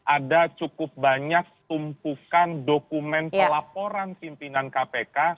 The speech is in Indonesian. ada cukup banyak tumpukan dokumen pelaporan pimpinan kpk